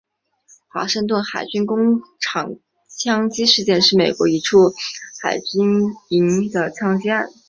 华盛顿海军工厂枪击事件是美国一处海军营区的枪击案。